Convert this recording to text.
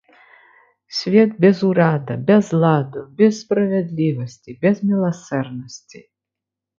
Свет без ўрада, без ладу, без справядлівасці, без міласэрнасці.